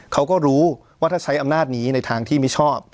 เขาก็รู้ว่าถ้าใช้อำนาจนี้ในทางที่ไม่ชอบ